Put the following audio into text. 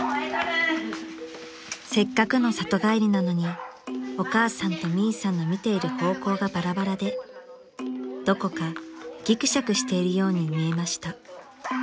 ［せっかくの里帰りなのにお母さんとミイさんの見ている方向がバラバラでどこかぎくしゃくしているように見えました］